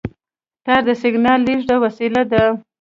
تار د سیګنال لېږد وسیله ده.